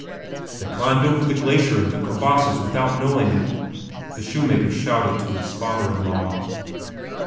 "They climbed over the glacier and the crevasses without knowing it," the shoemaker shouted to his father in law.